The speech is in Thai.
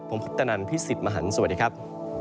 ผมพุทธนันพี่สิบมหันสวัสดีครับ